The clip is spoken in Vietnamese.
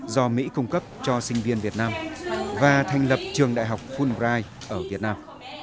do mỹ cung cấp cho sinh viên việt nam và thành lập trường đại học fulbright ở việt nam